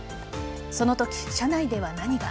そのとき、車内では何が。